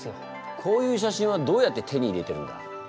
こういう写真はどうやって手に入れてるんだ？